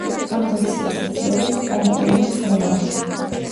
ამ ვერსიას იზიარებს პომპონიუს მელა.